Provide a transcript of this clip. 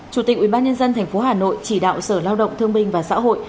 chủ tịch ubnd tp hà nội chỉ đạo sở lao động thương minh và xã hội